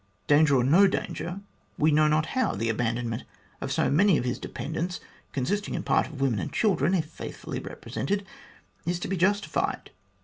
Danger or no danger, we know not how the abandonment of so many of his dependents, consisting in part of women and children, if faithfully represented, is to be justified.